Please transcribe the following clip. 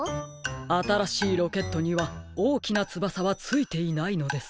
あたらしいロケットにはおおきなつばさはついていないのです。